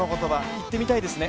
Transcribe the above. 言ってみたいですね。